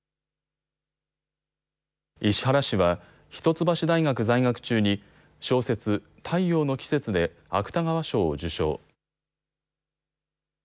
石原氏は一橋大学在学中に小説、太陽の季節で芥川賞を受賞。